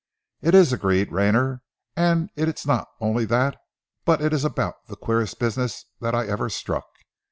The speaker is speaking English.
"It is," agreed Rayner, "and it's not only that, but it is about the queerest business that I ever struck."